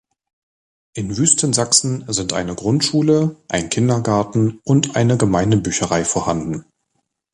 In Wüstensachsen sind eine Grundschule, ein Kindergarten und eine Gemeindebücherei vorhanden.